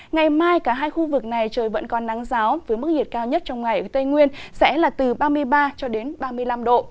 ngày mai cả hai khu vực này trời vẫn còn nắng giáo với mức nhiệt cao nhất trong ngày ở tây nguyên sẽ là từ ba mươi ba cho đến ba mươi năm độ